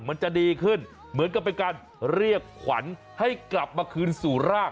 มันจะดีขึ้นเหมือนกับเป็นการเรียกขวัญให้กลับมาคืนสู่ราก